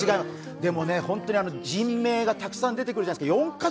でも人名がたくさん出てくるじゃないですか。